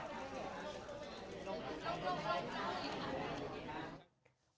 ก็รู้จักรวรรดีค่ะ